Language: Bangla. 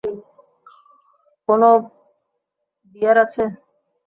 কোনও বিয়ার আছে?